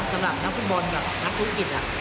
สำหรับนักฟุตบอลแบบนักธุรกิจ